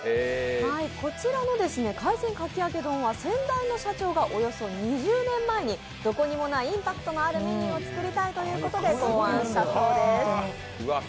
こちらの海鮮かき揚げ丼は先代の社長がおよそ２０年前にどこにもないインパクトのあるメニューを作りたいということで考案したそうです。